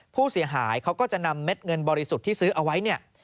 ผู้เสียหายเขาก็จะนำเม็ดเงินบริสุทธิ์ที่ซื้อเอาไว้เนี่ย